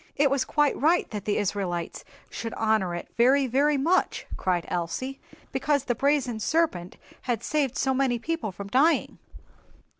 "It was quite right that the Israelites should honor it very, very much," cried Elsie, "because the brazen serpent had saved so many people from dying."